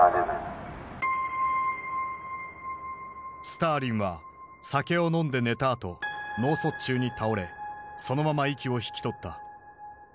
スターリンは酒を飲んで寝たあと脳卒中に倒れそのまま息を引き取った。